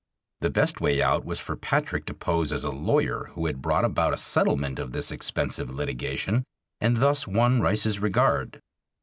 The best way out was for Patrick to pose as a lawyer who had brought about a settlement of this expensive litigation and thus won Rice's regard.